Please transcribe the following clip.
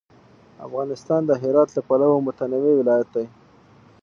افغانستان د هرات له پلوه متنوع ولایت دی.